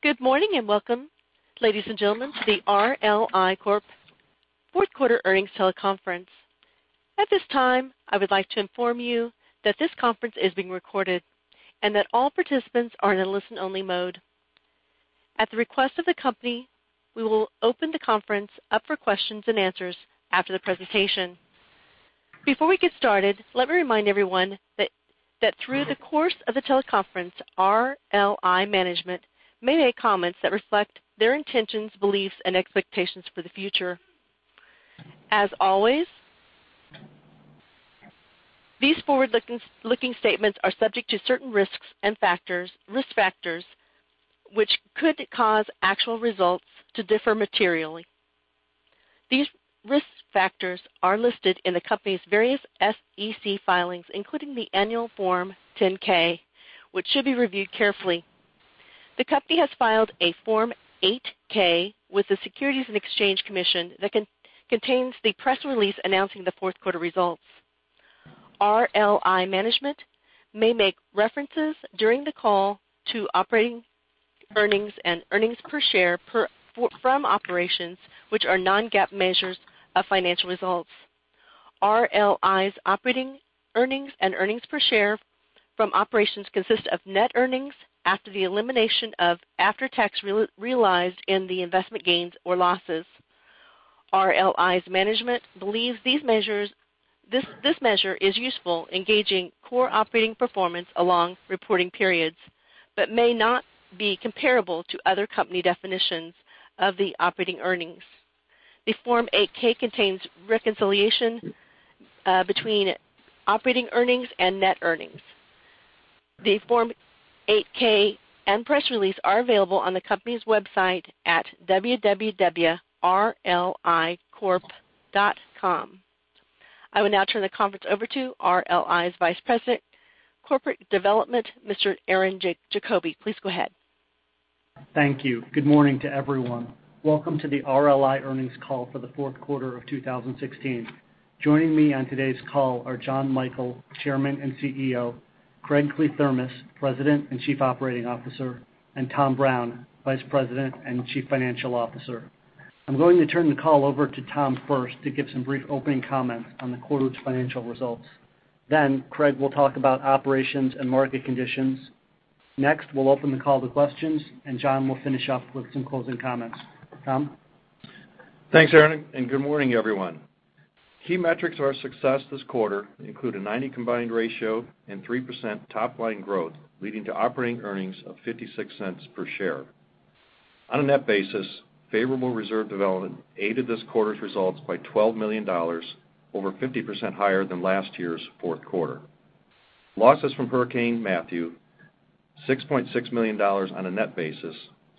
Good morning, and welcome, ladies and gentlemen, to the RLI Corp fourth quarter earnings teleconference. At this time, I would like to inform you that this conference is being recorded and that all participants are in a listen-only mode. At the request of the company, we will open the conference up for questions and answers after the presentation. Before we get started, let me remind everyone that through the course of the teleconference, RLI management may make comments that reflect their intentions, beliefs, and expectations for the future. As always, these forward-looking statements are subject to certain risks and risk factors which could cause actual results to differ materially. These risk factors are listed in the company's various SEC filings, including the annual Form 10-K, which should be reviewed carefully. The company has filed a Form 8-K with the Securities and Exchange Commission that contains the press release announcing the fourth quarter results. RLI management may make references during the call to operating earnings and earnings per share from operations, which are non-GAAP measures of financial results. RLI's operating earnings and earnings per share from operations consist of net earnings after the elimination of after-tax realized in the investment gains or losses. RLI's management believes this measure is useful in gauging core operating performance along reporting periods but may not be comparable to other company definitions of the operating earnings. The Form 8-K contains reconciliation between operating earnings and net earnings. The Form 8-K and press release are available on the company's website at www.rlicorp.com. I will now turn the conference over to RLI's Vice President, Corporate Development, Mr. Aaron Diefenthaler. Please go ahead. Thank you. Good morning to everyone. Welcome to the RLI earnings call for the fourth quarter of 2016. Joining me on today's call are Jonathan Michael, Chairman and CEO, Craig Kliethermes, President and Chief Operating Officer, and Thomas Brown, Vice President and Chief Financial Officer. I'm going to turn the call over to Tom first to give some brief opening comments on the quarter's financial results. Craig will talk about operations and market conditions. Next, we'll open the call to questions. John will finish up with some closing comments. Tom? Thanks, Aaron. Good morning, everyone. Key metrics of our success this quarter include a 90 combined ratio and 3% top-line growth, leading to operating earnings of $0.56 per share. On a net basis, favorable reserve development aided this quarter's results by $12 million, over 50% higher than last year's fourth quarter. Losses from Hurricane Matthew, $6.6 million on a net basis,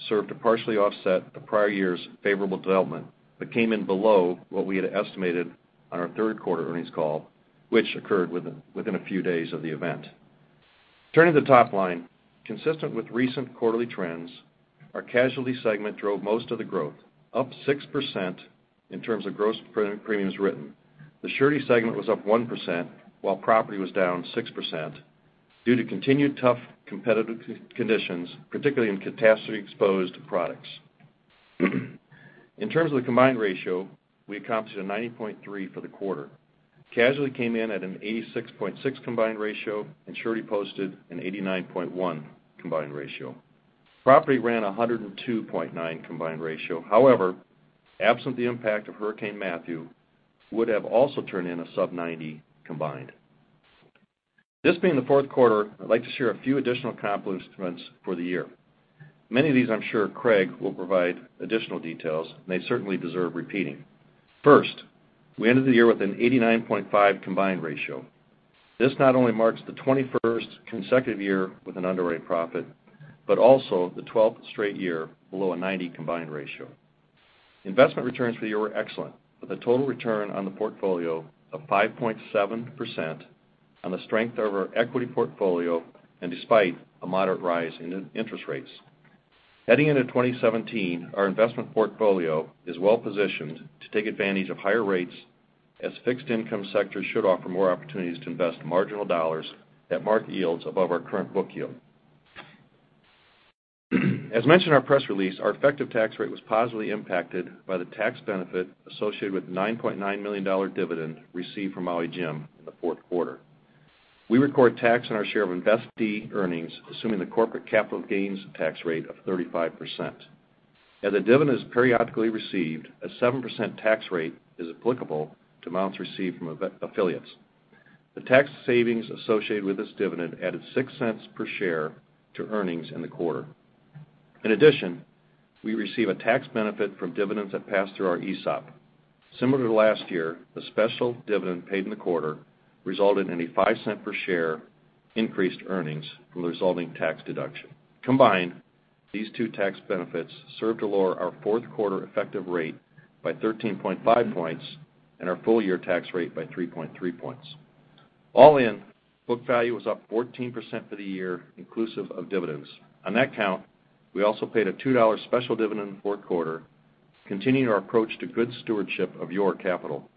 served to partially offset the prior year's favorable development that came in below what we had estimated on our third quarter earnings call, which occurred within a few days of the event. Turning to the top line, consistent with recent quarterly trends, our casualty segment drove most of the growth, up 6% in terms of gross premiums written. The surety segment was up 1%, while property was down 6%, due to continued tough competitive conditions, particularly in catastrophe-exposed products. In terms of the combined ratio, we accomplished a 90.3% for the quarter. Casualty came in at an 86.6% combined ratio, and surety posted an 89.1% combined ratio. Property ran 102.9% combined ratio. However, absent the impact of Hurricane Matthew, would have also turned in a sub-90% combined. This being the fourth quarter, I'd like to share a few additional accomplishments for the year. Many of these, I'm sure Craig will provide additional details, and they certainly deserve repeating. First, we ended the year with an 89.5% combined ratio. This not only marks the 21st consecutive year with an underwritten profit but also the 12th straight year below a 90% combined ratio. Investment returns for the year were excellent, with a total return on the portfolio of 5.7% on the strength of our equity portfolio and despite a moderate rise in interest rates. Heading into 2017, our investment portfolio is well-positioned to take advantage of higher rates as fixed income sectors should offer more opportunities to invest marginal dollars at market yields above our current book yield. As mentioned in our press release, our effective tax rate was positively impacted by the tax benefit associated with the $9.9 million dividend received from Maui Jim in the fourth quarter. We record tax on our share of investee earnings, assuming the corporate capital gains tax rate of 35%. As the dividend is periodically received, a 7% tax rate is applicable to amounts received from affiliates. The tax savings associated with this dividend added $0.06 per share to earnings in the quarter. In addition, we receive a tax benefit from dividends that pass through our ESOP. Similar to last year, the special dividend paid in the quarter resulted in a $0.05 per share increased earnings from the resulting tax deduction. Combined, these two tax benefits served to lower our fourth-quarter effective rate by 13.5 points and our full-year tax rate by 3.3 points. All in, book value was up 14% for the year, inclusive of dividends. On that count, we also paid a $2 special dividend in the fourth quarter Continuing our approach to good stewardship of your capital.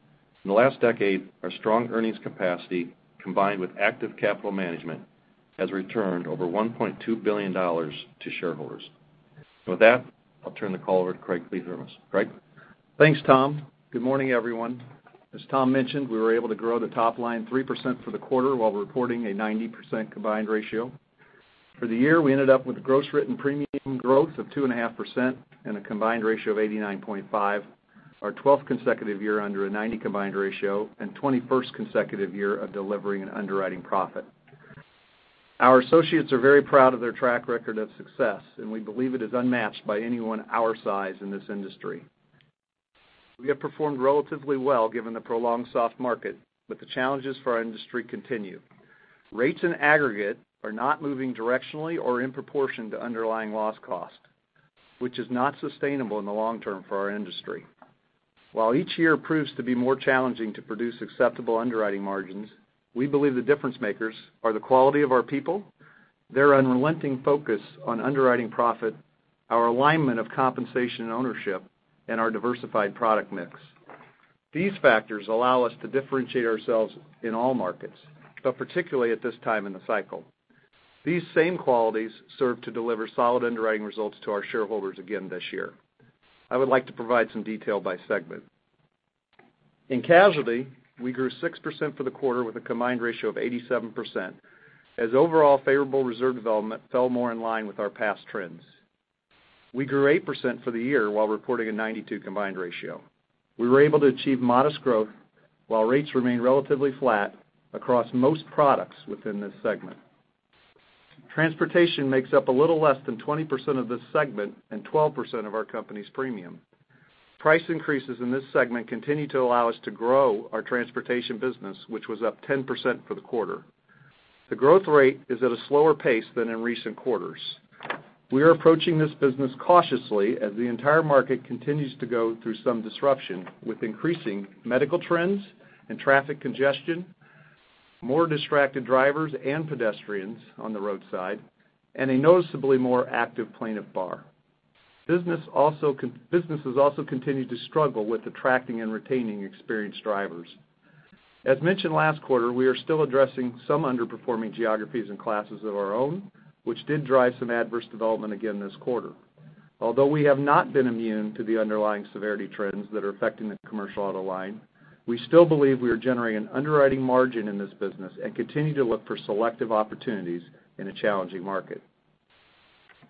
In the last decade, our strong earnings capacity, combined with active capital management, has returned over $1.2 billion to shareholders. With that, I'll turn the call over to Craig Kliethermes. Craig? Thanks, Tom. Good morning, everyone. As Tom mentioned, we were able to grow the top line 3% for the quarter while reporting a 90% combined ratio. For the year, we ended up with a gross written premium growth of 2.5% and a combined ratio of 89.5%, our 12th consecutive year under a 90% combined ratio and 21st consecutive year of delivering an underwriting profit. Our associates are very proud of their track record of success. We believe it is unmatched by anyone our size in this industry. We have performed relatively well given the prolonged soft market. The challenges for our industry continue. Rates in aggregate are not moving directionally or in proportion to underlying loss cost, which is not sustainable in the long term for our industry. While each year proves to be more challenging to produce acceptable underwriting margins, we believe the difference makers are the quality of our people, their unrelenting focus on underwriting profit, our alignment of compensation and ownership, and our diversified product mix. These factors allow us to differentiate ourselves in all markets, but particularly at this time in the cycle. These same qualities serve to deliver solid underwriting results to our shareholders again this year. I would like to provide some detail by segment. In casualty, we grew 6% for the quarter with a combined ratio of 87%, as overall favorable reserve development fell more in line with our past trends. We grew 8% for the year while reporting a 92 combined ratio. We were able to achieve modest growth while rates remained relatively flat across most products within this segment. Transportation makes up a little less than 20% of this segment and 12% of our company's premium. Price increases in this segment continue to allow us to grow our transportation business, which was up 10% for the quarter. The growth rate is at a slower pace than in recent quarters. We are approaching this business cautiously as the entire market continues to go through some disruption with increasing medical trends and traffic congestion, more distracted drivers and pedestrians on the roadside, and a noticeably more active plaintiff bar. Businesses also continue to struggle with attracting and retaining experienced drivers. As mentioned last quarter, we are still addressing some underperforming geographies and classes of our own, which did drive some adverse development again this quarter. Although we have not been immune to the underlying severity trends that are affecting the commercial auto line, we still believe we are generating underwriting margin in this business and continue to look for selective opportunities in a challenging market.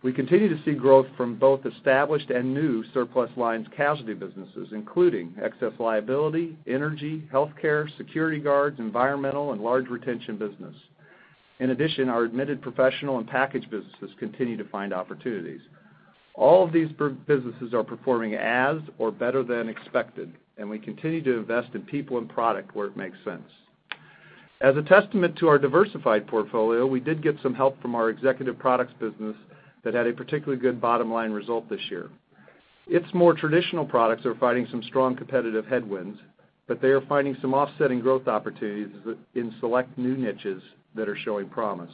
We continue to see growth from both established and new surplus lines casualty businesses, including excess liability, energy, healthcare, security guards, environmental and large retention business. In addition, our admitted professional and package businesses continue to find opportunities. All of these businesses are performing as or better than expected, and we continue to invest in people and product where it makes sense. As a testament to our diversified portfolio, we did get some help from our executive products business that had a particularly good bottom-line result this year. Its more traditional products are fighting some strong competitive headwinds, they are finding some offsetting growth opportunities in select new niches that are showing promise.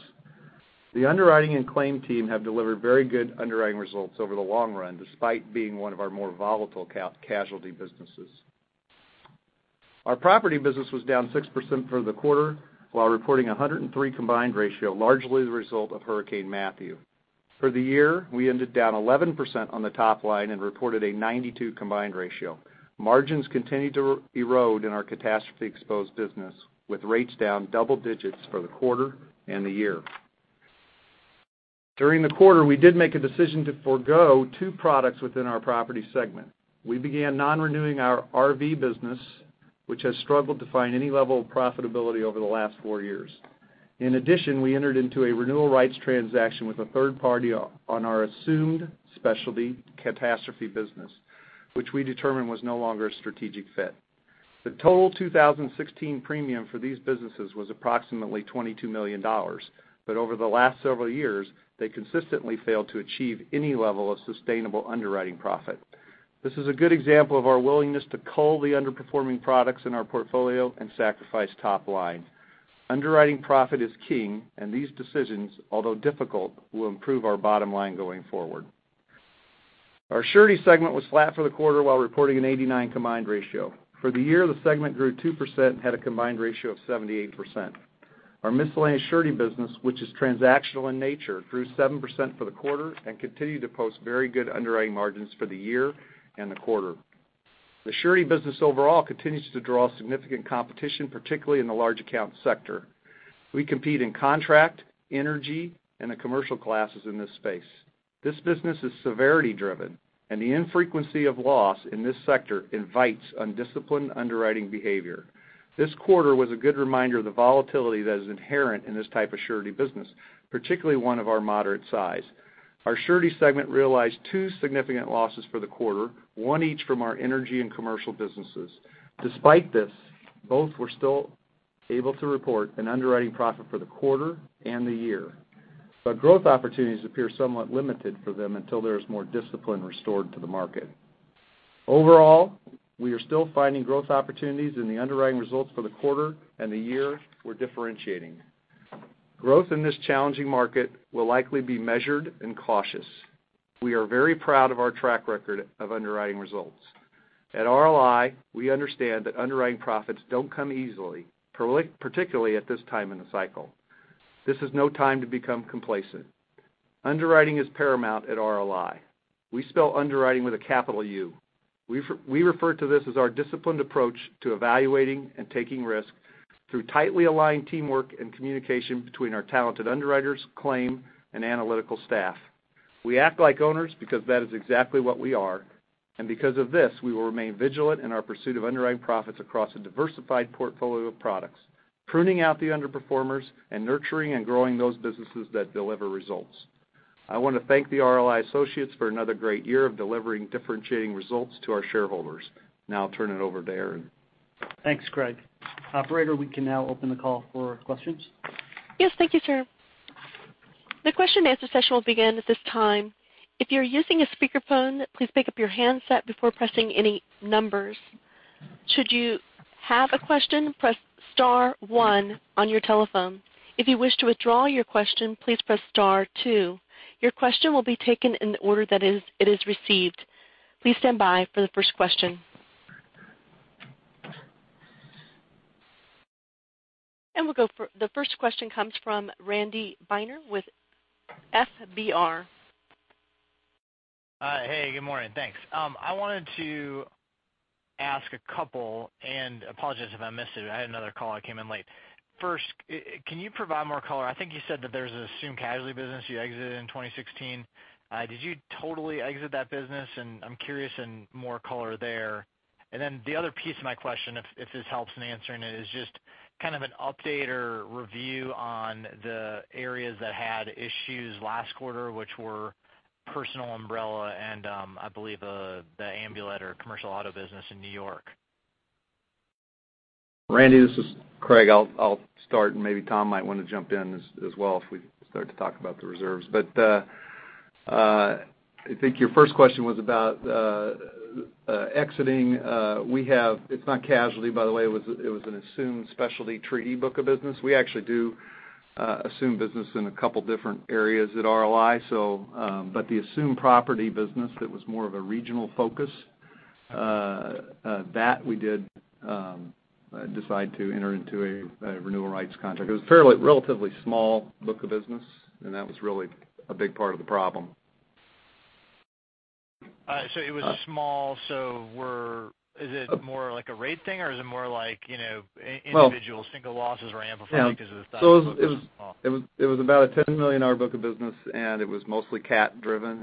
The underwriting and claim team have delivered very good underwriting results over the long run, despite being one of our more volatile casualty businesses. Our property business was down 6% for the quarter while reporting 103 combined ratio, largely the result of Hurricane Matthew. For the year, we ended down 11% on the top line and reported a 92 combined ratio. Margins continued to erode in our catastrophe-exposed business, with rates down double digits for the quarter and the year. During the quarter, we did make a decision to forgo two products within our property segment. We began non-renewing our RV business, which has struggled to find any level of profitability over the last four years. In addition, we entered into a renewal rights transaction with a third party on our assumed specialty catastrophe business, which we determined was no longer a strategic fit. The total 2016 premium for these businesses was approximately $22 million. Over the last several years, they consistently failed to achieve any level of sustainable underwriting profit. This is a good example of our willingness to cull the underperforming products in our portfolio and sacrifice top line. Underwriting profit is king, and these decisions, although difficult, will improve our bottom line going forward. Our surety segment was flat for the quarter while reporting an 89 combined ratio. For the year, the segment grew 2% and had a combined ratio of 78%. Our miscellaneous surety business, which is transactional in nature, grew 7% for the quarter and continued to post very good underwriting margins for the year and the quarter. The surety business overall continues to draw significant competition, particularly in the large account sector. We compete in contract, energy, and the commercial classes in this space. This business is severity driven, and the infrequency of loss in this sector invites undisciplined underwriting behavior. This quarter was a good reminder of the volatility that is inherent in this type of surety business, particularly one of our moderate size. Our surety segment realized two significant losses for the quarter, one each from our energy and commercial businesses. Despite this, both were still able to report an underwriting profit for the quarter and the year. Growth opportunities appear somewhat limited for them until there is more discipline restored to the market. Overall, we are still finding growth opportunities, and the underwriting results for the quarter and the year were differentiating. Growth in this challenging market will likely be measured and cautious. We are very proud of our track record of underwriting results. At RLI, we understand that underwriting profits don't come easily, particularly at this time in the cycle. This is no time to become complacent. Underwriting is paramount at RLI. We spell underwriting with a capital U. We refer to this as our disciplined approach to evaluating and taking risks through tightly aligned teamwork and communication between our talented underwriters, claim, and analytical staff. We act like owners because that is exactly what we are, and because of this, we will remain vigilant in our pursuit of underwriting profits across a diversified portfolio of products, pruning out the underperformers and nurturing and growing those businesses that deliver results. I want to thank the RLI associates for another great year of delivering differentiating results to our shareholders. Now I'll turn it over to Aaron. Thanks, Craig. Operator, we can now open the call for questions. Yes. Thank you, sir. The question and answer session will begin at this time. If you're using a speakerphone, please pick up your handset before pressing any numbers. Should you have a question, press star one on your telephone. If you wish to withdraw your question, please press star two. Your question will be taken in the order that it is received. Please stand by for the first question. The first question comes from Randy Binner with FBR. Hi. Hey, good morning. Thanks. I wanted to ask a couple, apologize if I missed it, I had another call, I came in late. First, can you provide more color, I think you said that there's an assumed casualty business you exited in 2016. Did you totally exit that business? I'm curious in more color there. The other piece of my question, if this helps in answering it, is just kind of an update or review on the areas that had issues last quarter, which were personal umbrella and, I believe, the ambulatory commercial auto business in N.Y. Randy, this is Craig. I'll start, maybe Tom might want to jump in as well if we start to talk about the reserves. I think your first question was about exiting. It's not casualty, by the way, it was an assumed specialty treaty book of business. We actually do assumed business in a couple of different areas at RLI. The assumed property business that was more of a regional focus, that we did decide to enter into a renewal rights contract. It was a fairly relatively small book of business, and that was really a big part of the problem. It was small. Is it more like a rate thing, or is it more like individual single losses were amplified because of the size of the book was small? It was about a $10 million book of business. It was mostly cat driven.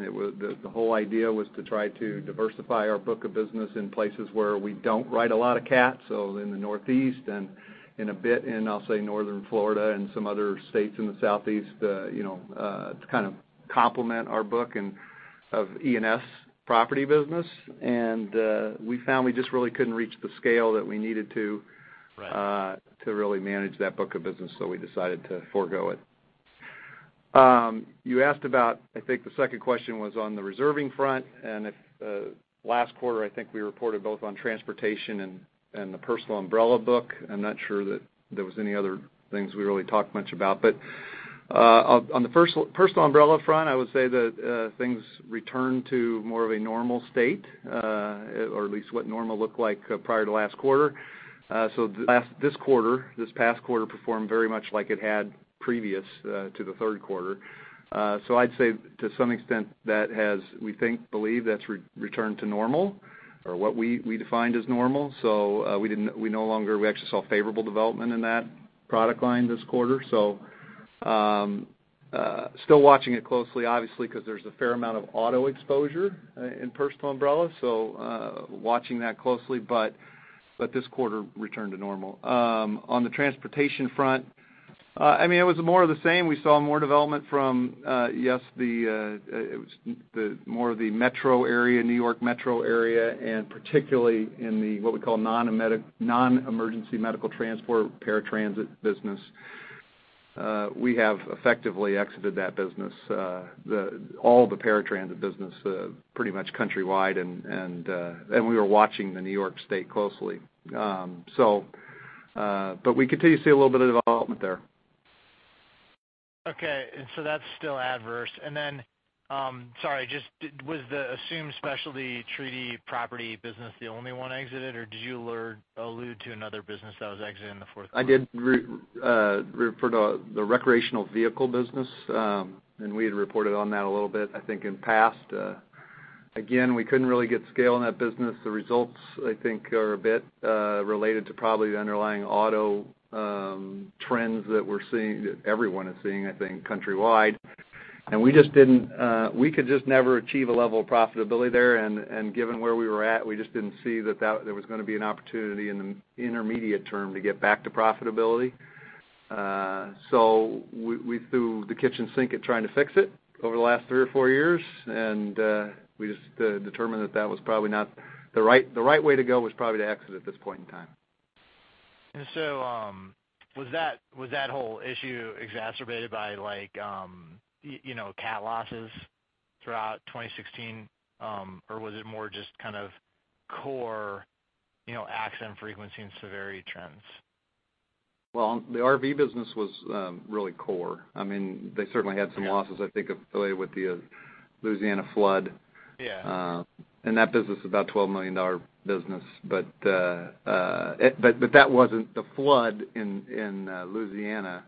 The whole idea was to try to diversify our book of business in places where we don't write a lot of cat, so in the Northeast and in a bit in, I'll say, northern Florida and some other states in the Southeast, to kind of complement our book of E&S property business. We found we just really couldn't reach the scale that we needed to. Right To really manage that book of business, we decided to forego it. You asked about, I think the second question was on the reserving front. If last quarter, I think we reported both on transportation and the personal umbrella book. I'm not sure that there was any other things we really talked much about. On the personal umbrella front, I would say that things returned to more of a normal state, or at least what normal looked like prior to last quarter. This past quarter performed very much like it had previous to the third quarter. I'd say to some extent, we think, believe that's returned to normal or what we defined as normal. We actually saw favorable development in that product line this quarter. Still watching it closely, obviously, because there's a fair amount of auto exposure in personal umbrella. Watching that closely, but this quarter returned to normal. On the transportation front, it was more of the same. We saw more development from, yes, more of the New York Metro area, and particularly in the, what we call non-emergency medical transport paratransit business. We have effectively exited that business, all the paratransit business pretty much countrywide. We were watching the New York state closely. We continue to see a little bit of development there. Okay. That's still adverse. Then, sorry, just was the assumed specialty treaty property business the only one exited, or did you allude to another business that was exited in the fourth quarter? I did refer to the recreational vehicle business, we had reported on that a little bit, I think, in the past. We couldn't really get scale in that business. The results, I think, are a bit related to probably the underlying auto trends that everyone is seeing, I think, countrywide. We could just never achieve a level of profitability there, given where we were at, we just didn't see that there was going to be an opportunity in the intermediate term to get back to profitability. We threw the kitchen sink at trying to fix it over the last three or four years, we just determined that the right way to go was probably to exit at this point in time. Was that whole issue exacerbated by cat losses throughout 2016, or was it more just kind of core accident frequency and severity trends? The RV business was really core. They certainly had some losses, I think affiliated with the Louisiana flood. Yeah. That business is about a $12 million business, the flood in Louisiana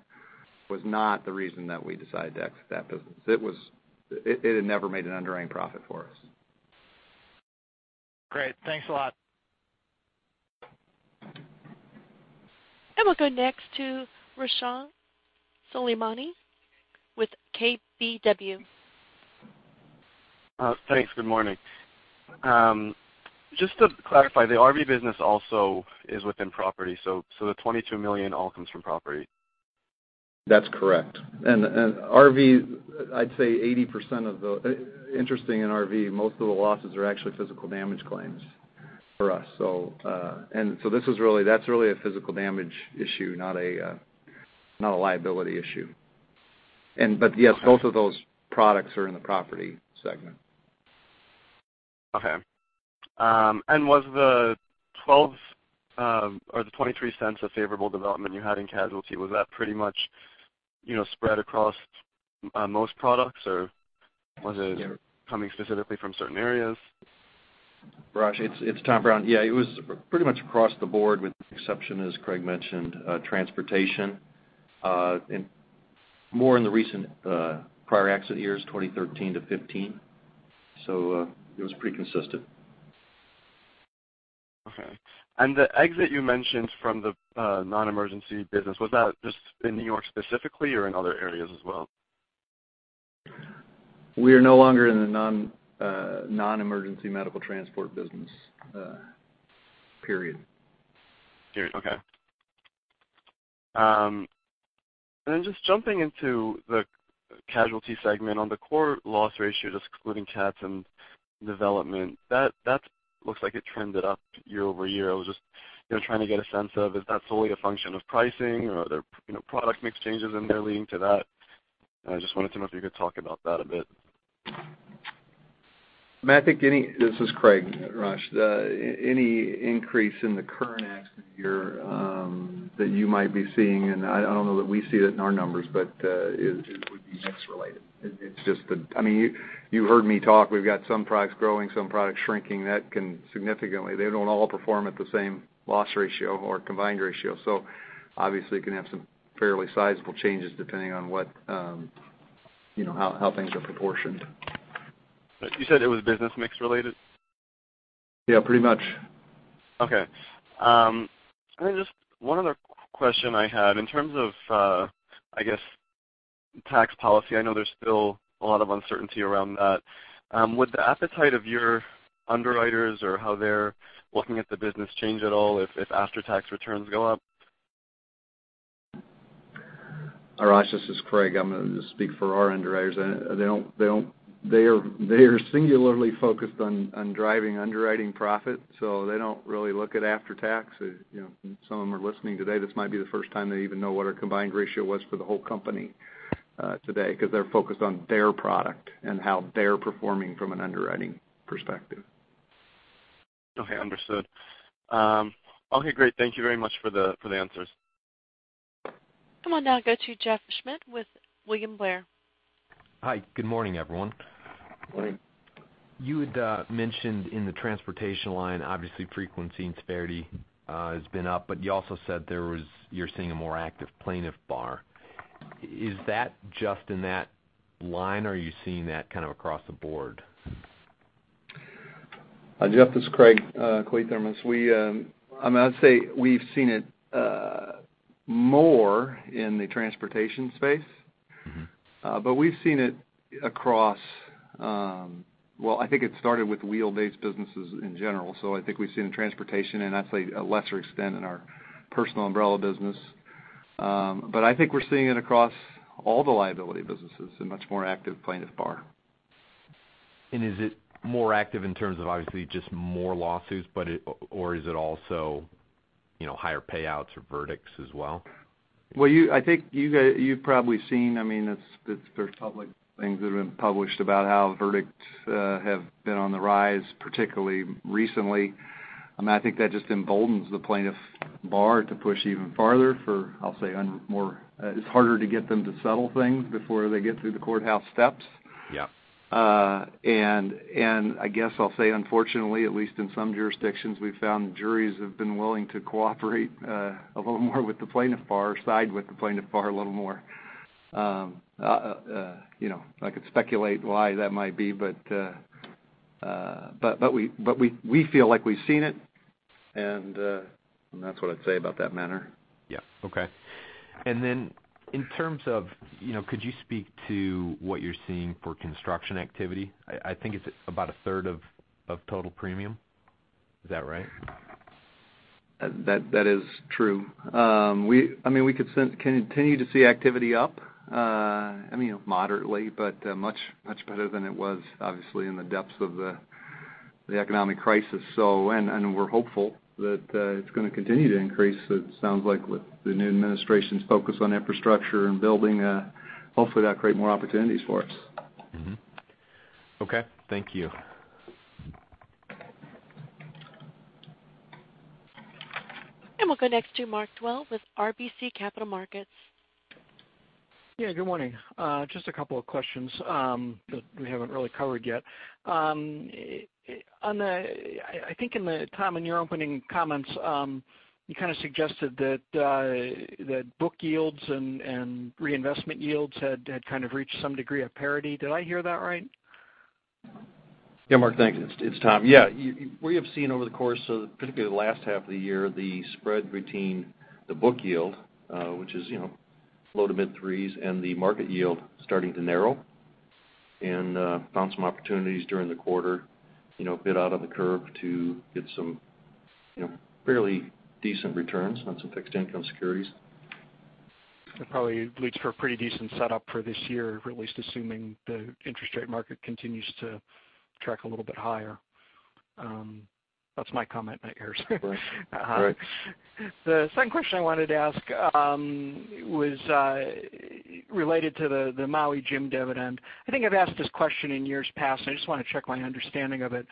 was not the reason that we decided to exit that business. It had never made an underwriting profit for us. Great. Thanks a lot. We'll go next to Arash Soleimani with KBW. Thanks. Good morning. Just to clarify, the RV business also is within property, so the $22 million all comes from property? That's correct. RV, I'd say 80% of the-- interesting in RV, most of the losses are actually physical damage claims for us. That's really a physical damage issue, not a liability issue. Yes, both of those products are in the property segment. Okay. Was the $0.12 or the $0.23 of favorable development you had in casualty, was that pretty much spread across most products, or was it coming specifically from certain areas? Arash, it's Thomas Brown. Yeah, it was pretty much across the board with the exception, as Craig mentioned, transportation, and more in the recent prior exit years, 2013 to 2015. It was pretty consistent. Okay. The exit you mentioned from the non-emergency business, was that just in New York specifically or in other areas as well? We are no longer in the non-emergency medical transport business, period. Period. Okay. Just jumping into the casualty segment on the core loss ratios excluding cats and development, that looks like it trended up year-over-year. I was just trying to get a sense of if that's solely a function of pricing or are there product mix changes in there leading to that? I just wanted to know if you could talk about that a bit. This is Craig, Arash. Any increase in the current accident year that you might be seeing, and I don't know that we see it in our numbers, but it would be mix related. You heard me talk, we've got some products growing, some products shrinking. That can significantly. They don't all perform at the same loss ratio or combined ratio. Obviously, it can have some fairly sizable changes depending on how things are proportioned. You said it was business mix related? Yeah, pretty much. Okay. Just one other question I had in terms of tax policy, I know there's still a lot of uncertainty around that. Would the appetite of your underwriters or how they're looking at the business change at all if after-tax returns go up? Arash, this is Craig. I'm going to just speak for our underwriters. They are singularly focused on driving underwriting profit, so they don't really look at after-tax. If some of them are listening today, this might be the first time they even know what our combined ratio was for the whole company today, because they're focused on their product and how they're performing from an underwriting perspective. Okay, understood. Okay, great. Thank you very much for the answers. I'll now go to Jeff Schmitt with William Blair. Hi, good morning, everyone. Good morning. You had mentioned in the transportation line, obviously frequency and severity has been up. You also said you're seeing a more active plaintiff bar. Is that just in that line, or are you seeing that kind of across the board? Jeff, this is Craig Kliethermes. I'd say we've seen it more in the transportation space. We've seen it across, well, I think it started with wheel-based businesses in general. I think we've seen it in transportation and I'd say to a lesser extent in our personal umbrella business. I think we're seeing it across all the liability businesses, a much more active plaintiff bar. Is it more active in terms of obviously just more lawsuits, or is it also higher payouts or verdicts as well? Well, I think you've probably seen, there's public things that have been published about how verdicts have been on the rise, particularly recently. I think that just emboldens the plaintiff bar to push even farther for, I'll say, it's harder to get them to settle things before they get through the courthouse steps. Yeah. I guess I'll say unfortunately, at least in some jurisdictions, we've found juries have been willing to cooperate a little more with the plaintiff bar or side with the plaintiff bar a little more. I could speculate why that might be, but we feel like we've seen it, and that's what I'd say about that matter. Okay. Then in terms of, could you speak to what you're seeing for construction activity? I think it's about a third of total premium. Is that right? That is true. We continue to see activity up, moderately, but much better than it was obviously in the depths of the economic crisis. We're hopeful that it's going to continue to increase. It sounds like with the new administration's focus on infrastructure and building, hopefully that creates more opportunities for us. Okay. Thank you. We'll go next to Mark Dwelle with RBC Capital Markets. Yeah, good morning. Just a couple of questions that we haven't really covered yet. I think in the top of your opening comments, you kind of suggested that book yields and reinvestment yields had kind of reached some degree of parity. Did I hear that right? Yeah, Mark. Thanks. It's Tom. Yeah. We have seen over the course of, particularly the last half of the year, the spread between the book yield, which is low to mid threes, and the market yield starting to narrow, and found some opportunities during the quarter, a bit out on the curve to get some fairly decent returns on some fixed income securities. That probably leads for a pretty decent setup for this year, at least assuming the interest rate market continues to track a little bit higher. That's my comment, not yours. Right. The second question I wanted to ask was related to the Maui Jim dividend. I think I've asked this question in years past, and I just want to check my understanding of it.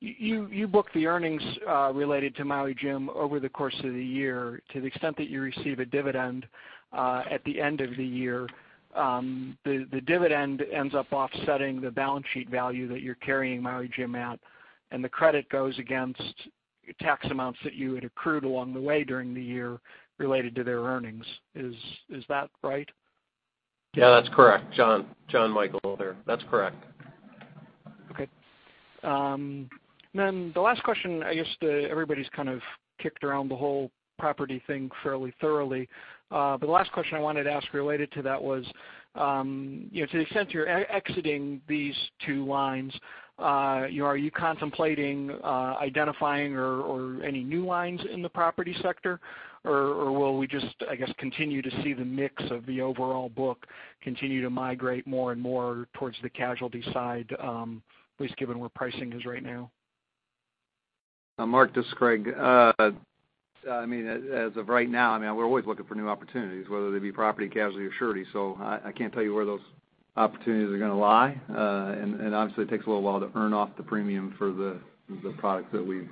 You book the earnings related to Maui Jim over the course of the year to the extent that you receive a dividend at the end of the year. The dividend ends up offsetting the balance sheet value that you're carrying Maui Jim at, and the credit goes against tax amounts that you had accrued along the way during the year related to their earnings. Is that right? Yeah, that's correct. John Michael there. That's correct. The last question, I guess everybody's kind of kicked around the whole property thing fairly thoroughly. The last question I wanted to ask related to that was, to the extent you're exiting these two lines, are you contemplating identifying or any new lines in the property sector? Will we just, I guess, continue to see the mix of the overall book continue to migrate more and more towards the casualty side, at least given where pricing is right now? Mark, this is Craig. As of right now, we're always looking for new opportunities, whether they be property, casualty, or surety. I can't tell you where those opportunities are going to lie. Obviously, it takes a little while to earn off the premium for the products that we've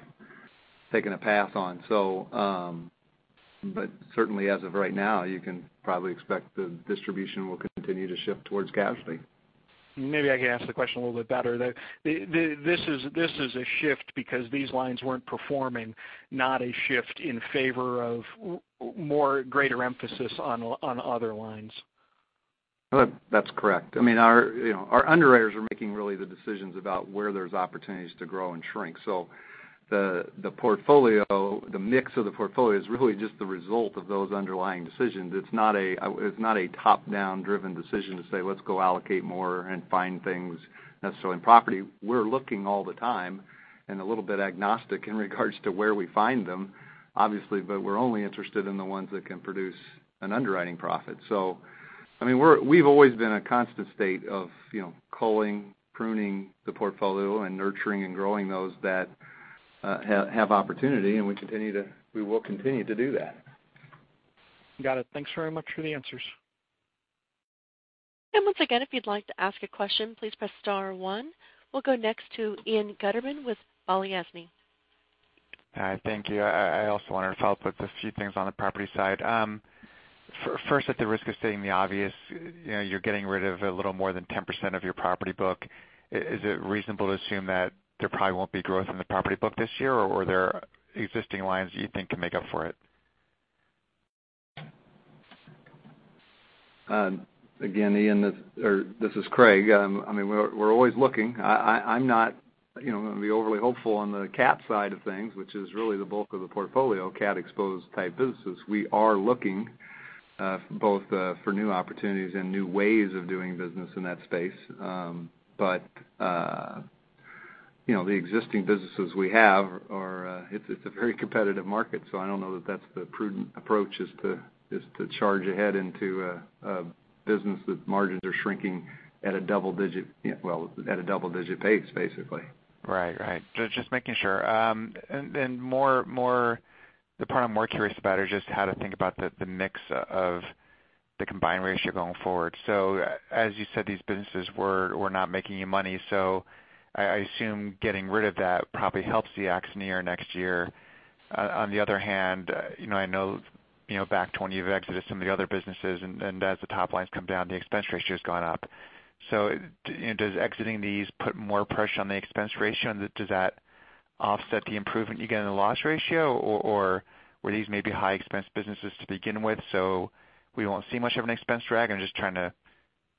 taken a pass on. Certainly, as of right now, you can probably expect the distribution will continue to shift towards casualty. Maybe I can ask the question a little bit better. This is a shift because these lines weren't performing, not a shift in favor of more greater emphasis on other lines. That's correct. Our underwriters are making really the decisions about where there's opportunities to grow and shrink. The mix of the portfolio is really just the result of those underlying decisions. It's not a top-down driven decision to say, let's go allocate more and find things necessarily in property. We're looking all the time and a little bit agnostic in regards to where we find them, obviously, but we're only interested in the ones that can produce an underwriting profit. We've always been in a constant state of culling, pruning the portfolio, and nurturing and growing those that have opportunity, and we will continue to do that. Got it. Thanks very much for the answers. Once again, if you'd like to ask a question, please press star one. We'll go next to Ian Gutterman with Balyasny. Hi. Thank you. I also wonder if I'll put just a few things on the property side. First, at the risk of stating the obvious, you're getting rid of a little more than 10% of your property book. Is it reasonable to assume that there probably won't be growth in the property book this year, or are there existing lines that you think can make up for it? Ian, this is Craig. We're always looking. I'm not going to be overly hopeful on the cat side of things, which is really the bulk of the portfolio, cat exposed type businesses. We are looking both for new opportunities and new ways of doing business in that space. The existing businesses we have, it's a very competitive market, so I don't know that's the prudent approach is to charge ahead into a business that margins are shrinking at a double-digit pace, basically. Right. Just making sure. The part I'm more curious about is just how to think about the mix of the combined ratio going forward. As you said, these businesses were not making you money, so I assume getting rid of that probably helps the ax near next year. On the other hand, I know back 20 you've exited some of the other businesses, and as the top lines come down, the expense ratio has gone up. Does exiting these put more pressure on the expense ratio, and does that offset the improvement you get in the loss ratio, or were these maybe high expense businesses to begin with, so we won't see much of an expense drag? I'm just trying to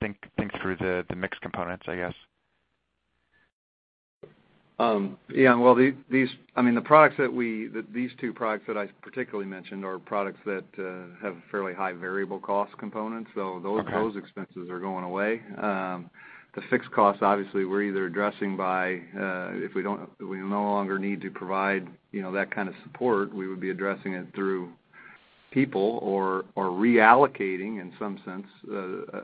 think through the mix components, I guess. Ian. The products, these two products that I particularly mentioned are products that have fairly high variable cost components. Okay. Those expenses are going away. The fixed costs, obviously, we're either addressing by, if we no longer need to provide that kind of support, we would be addressing it through people or reallocating, in some sense,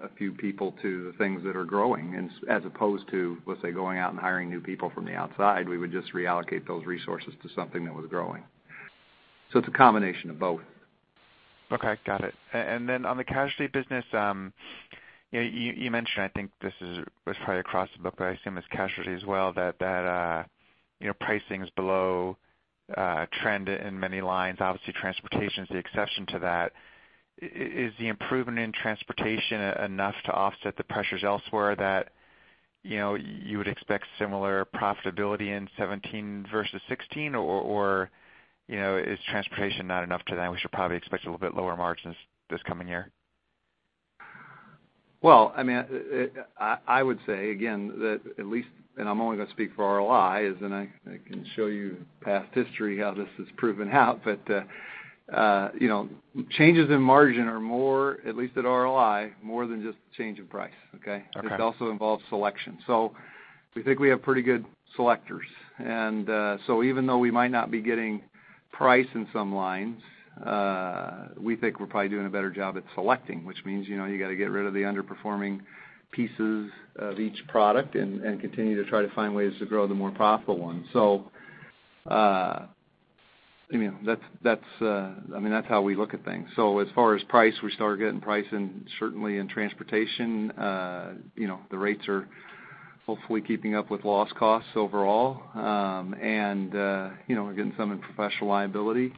a few people to the things that are growing, as opposed to, let's say, going out and hiring new people from the outside. We would just reallocate those resources to something that was growing. It's a combination of both. Okay. Got it. On the casualty business, you mentioned, I think this was probably across the book, but I assume it's casualty as well, that pricing's below trend in many lines. Obviously, transportation is the exception to that. Is the improvement in transportation enough to offset the pressures elsewhere that you would expect similar profitability in 2017 versus 2016? Or is transportation not enough to that and we should probably expect a little bit lower margins this coming year? Well, I would say, again, that at least, I'm only going to speak for RLI, I can show you past history how this has proven out, changes in margin are more, at least at RLI, more than just a change in price, okay? Okay. This also involves selection. We think we have pretty good selectors. Even though we might not be getting price in some lines, we think we're probably doing a better job at selecting, which means you've got to get rid of the underperforming pieces of each product and continue to try to find ways to grow the more profitable ones. That's how we look at things. As far as price, we start getting price certainly in transportation. The rates are hopefully keeping up with loss costs overall. We're getting some in professional liability,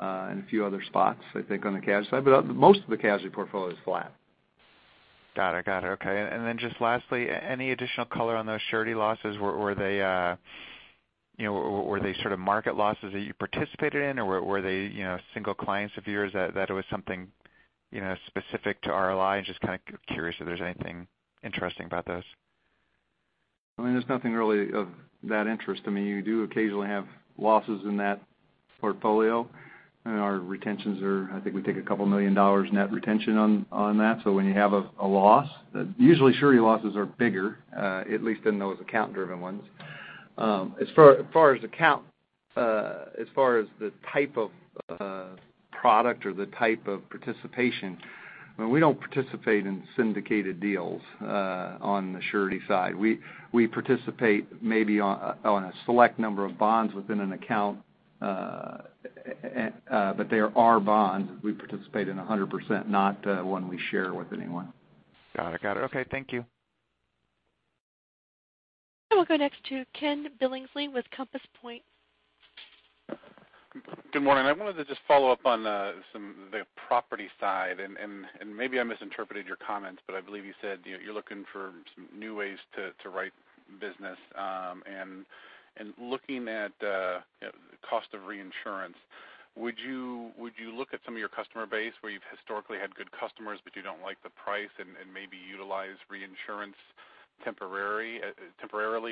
and a few other spots, I think, on the casualty side. Most of the casualty portfolio is flat. Got it. Okay. Just lastly, any additional color on those surety losses? Were they sort of market losses that you participated in or were they single clients of yours that it was something specific to RLI? Just kind of curious if there's anything interesting about those. There's nothing really of that interest. You do occasionally have losses in that portfolio. Our retentions are, I think we take a $2 million net retention on that. When you have a loss, usually surety losses are bigger, at least in those account driven ones. As far as the type of product or the type of participation, we don't participate in syndicated deals on the surety side. We participate maybe on a select number of bonds within an account, but they are our bonds we participate in 100%, not one we share with anyone. Got it. Okay. Thank you. We'll go next to Ken Billingsley with Compass Point. Good morning. I wanted to just follow up on the property side, and maybe I misinterpreted your comments, but I believe you said you're looking for some new ways to write business. Looking at cost of reinsurance, would you look at some of your customer base where you've historically had good customers, but you don't like the price and maybe utilize reinsurance temporarily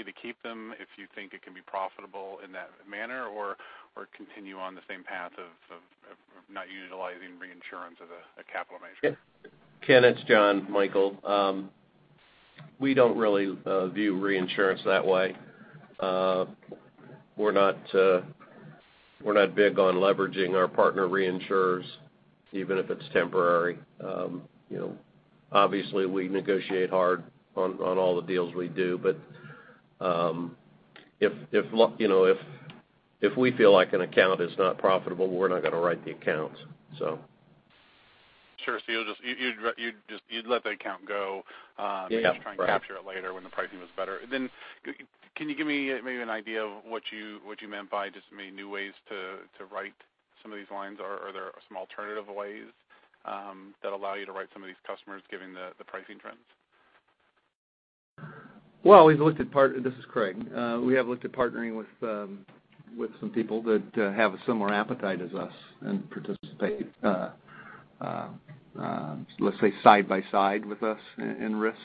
to keep them if you think it can be profitable in that manner? Continue on the same path of not utilizing reinsurance as a capital measure? Ken, it's Jonathan Michael. We don't really view reinsurance that way. We're not big on leveraging our partner reinsurers, even if it's temporary. Obviously, we negotiate hard on all the deals we do, if we feel like an account is not profitable, we're not going to write the account. Sure. You'd let that account go. Yeah Just try and capture it later when the pricing was better. Can you give me maybe an idea of what you meant by just new ways to write some of these lines? Are there some alternative ways that allow you to write some of these customers given the pricing trends? This is Craig. We have looked at partnering with some people that have a similar appetite as us and participate, let's say, side by side with us in risks.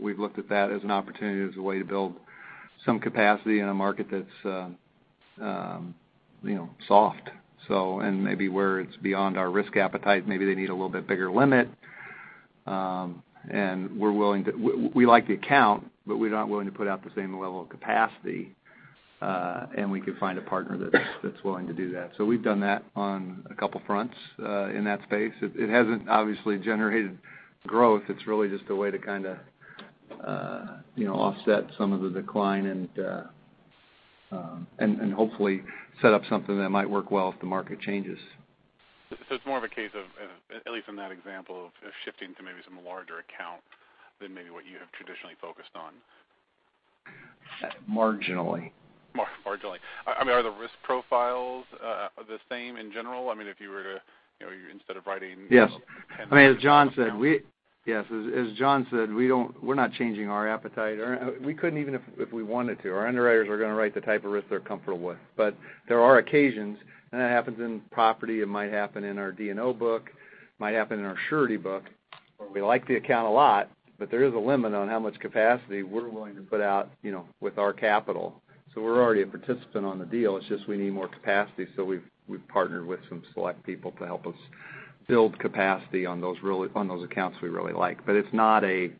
We've looked at that as an opportunity, as a way to build some capacity in a market that's soft. Maybe where it's beyond our risk appetite, maybe they need a little bit bigger limit. We like the account, but we're not willing to put out the same level of capacity, and we could find a partner that's willing to do that. We've done that on a couple fronts in that space. It hasn't, obviously, generated growth. It's really just a way to kind of offset some of the decline and hopefully set up something that might work well if the market changes. It's more of a case of, at least in that example, of shifting to maybe some larger account than maybe what you have traditionally focused on. Marginally. Marginally. Are the risk profiles the same in general? If you were to, instead of writing Yes. As John said, we're not changing our appetite. We couldn't even if we wanted to. Our underwriters are going to write the type of risk they're comfortable with. There are occasions, and it happens in property, it might happen in our D&O book, might happen in our surety book, where we like the account a lot, but there is a limit on how much capacity we're willing to put out with our capital. We're already a participant on the deal, it's just we need more capacity. We've partnered with some select people to help us build capacity on those accounts we really like. It's not a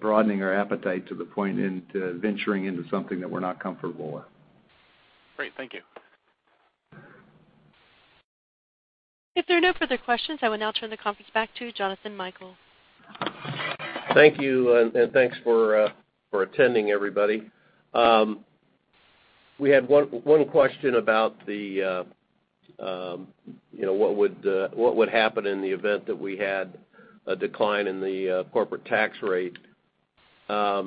broadening our appetite to the point into venturing into something that we're not comfortable with. Great. Thank you. If there are no further questions, I will now turn the conference back to Jonathan Michael. Thank you, and thanks for attending, everybody. We had one question about what would happen in the event that we had a decline in the corporate tax rate. I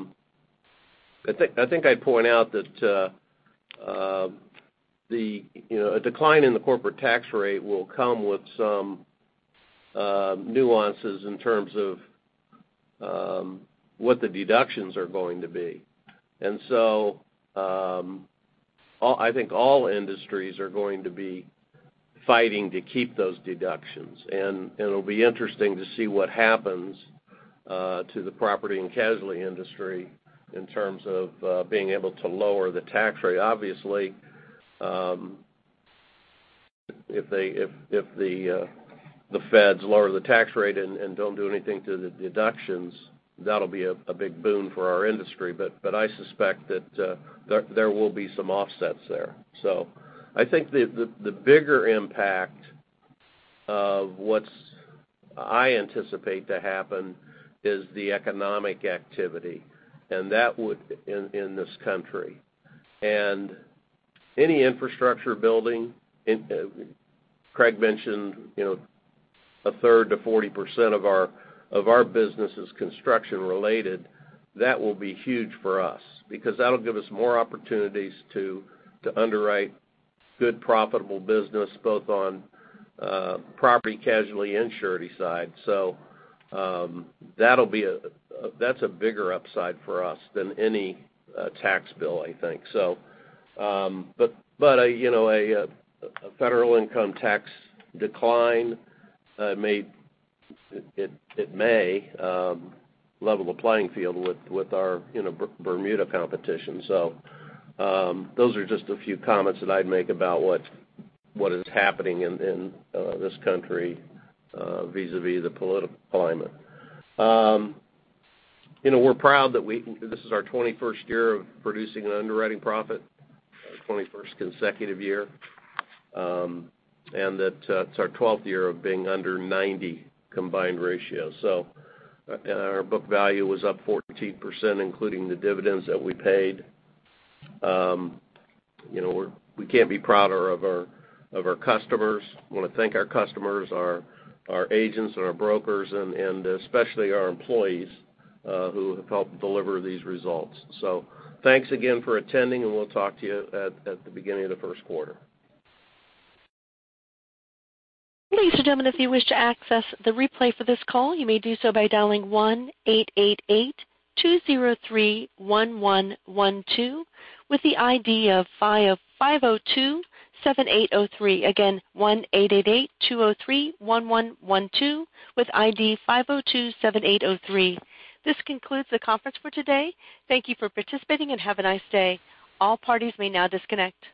think I'd point out that a decline in the corporate tax rate will come with some nuances in terms of what the deductions are going to be. I think all industries are going to be fighting to keep those deductions. It'll be interesting to see what happens to the property and casualty industry in terms of being able to lower the tax rate. Obviously, if the feds lower the tax rate and don't do anything to the deductions, that'll be a big boon for our industry. I suspect that there will be some offsets there. I think the bigger impact of what I anticipate to happen is the economic activity in this country. Any infrastructure building, Craig mentioned a third to 40% of our business is construction related. That will be huge for us because that'll give us more opportunities to underwrite good profitable business both on property, casualty, and surety side. That's a bigger upside for us than any tax bill I think. A federal income tax decline, it may level the playing field with our Bermuda competition. Those are just a few comments that I'd make about what is happening in this country vis-a-vis the political alignment. We're proud that this is our 21st year of producing an underwriting profit, our 21st consecutive year, and that it's our 12th year of being under 90 combined ratio. Our book value was up 14%, including the dividends that we paid. We can't be prouder of our customers. I want to thank our customers, our agents and our brokers, and especially our employees who have helped deliver these results. Thanks again for attending, and we'll talk to you at the beginning of the first quarter. Ladies and gentlemen, if you wish to access the replay for this call, you may do so by dialing 1-888-203-1112 with the ID of 5027803. Again, 1-888-203-1112 with ID 5027803. This concludes the conference for today. Thank you for participating and have a nice day. All parties may now disconnect.